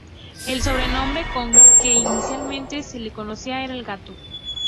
El sobrenombre con que inicialmente se le conocía era "El Gato".